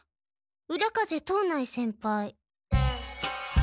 浦風藤内先輩。